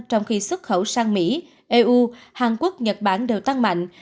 trong khi xuất khẩu sang mỹ eu hàn quốc nhật bản đều tăng mạnh